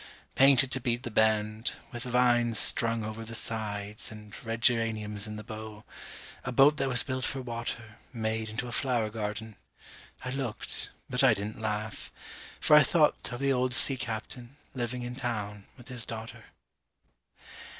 Painted to beat the band, with vines strung over the sides And red geraniums in the bow, a boat that was built for water Made into a flower garden. I looked, but I didn't laugh, For I thought of the old sea captain living in town with his daughter.